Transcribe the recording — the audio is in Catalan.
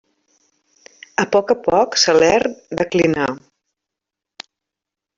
A poc a poc Salern declinà.